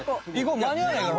まにあわないから。